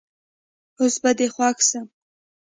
اوس به دي خوښ سم